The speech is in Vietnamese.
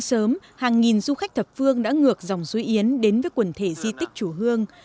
sớm hàng nghìn du khách thập phương đã ngược dòng suối yến đến với quần thể di tích chùa hương